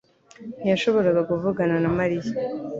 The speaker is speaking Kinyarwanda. ntiyashoboraga kuvugana na Mariya